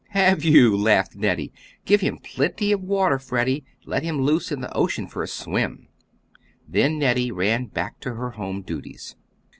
"Have you?" laughed Nettie. "Give him plenty of water, Freddie, let him loose in the ocean for a swim!" Then Nettie ran back to her home duties.